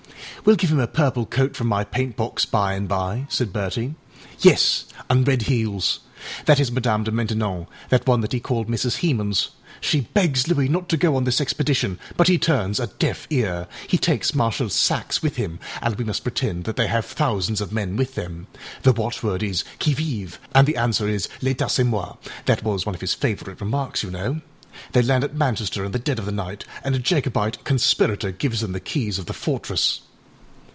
â âWeâll give him a purple coat from my paintbox by and by,â said Bertie. âYes, anâ red heels. That is Madame de Maintenon, that one he called Mrs. Hemans. She begs Louis not to go on this expedition, but he turns a deaf ear. He takes Marshal Saxe with him, and we must pretend that they have thousands of men with them. The watchword is Qui vive? and the answer is _LâÃ©tat câest moi_âthat was one of his favourite remarks, you know. They land at Manchester in the dead of the night, and a Jacobite conspirator gives them the keys of the fortress.